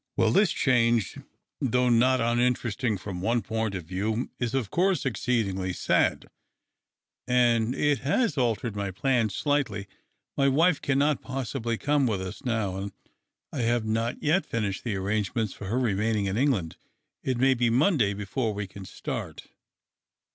" Well, this change, though not uninterest THE OCTAVE OF CLAUDIUS. 313 ing from one point of view, is, of course, exceedingly sad, and it has altered my plans slightly. My wife cannot possil)ly come with us now, and I have not yet finished the arrangements for her remainino; in Enp'land. It may be Monday before we can start."